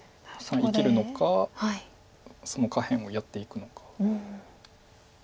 生きるのかその下辺をやっていくのか。